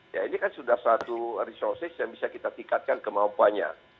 ya ini kan sudah satu resources yang bisa kita tingkatkan kemampuannya